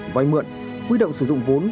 vài mượn quy động sử dụng vốn